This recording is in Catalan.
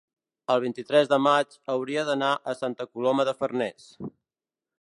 el vint-i-tres de maig hauria d'anar a Santa Coloma de Farners.